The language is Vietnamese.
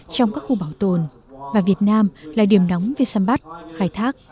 trong các khu bảo tồn và việt nam là điểm nóng về săn bắt khai thác